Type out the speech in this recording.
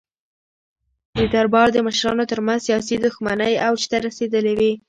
د دربار د مشرانو ترمنځ سیاسي دښمنۍ اوج ته رسېدلې وې.